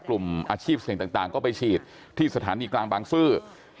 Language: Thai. กลุ่มอาชีพเสี่ยงต่างก็ไปฉีดที่สถานีกลางบางซื่อ